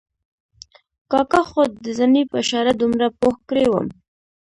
کاکا خو د زنې په اشاره دومره پوه کړی وم.